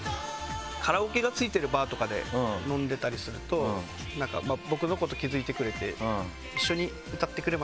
カラオケが付いてるバーとかで飲んでたりすると僕のこと気付いてくれて。